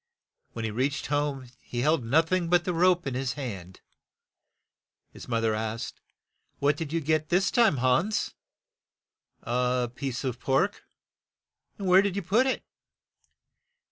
When he reached home he held noth ing but the rope in his hand. His moth er asked, '' What did you get this time, Hans ?" "A piece of pork. "Where did you put it?"